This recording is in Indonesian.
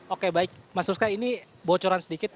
oke baik mas uska ini bocoran sedikit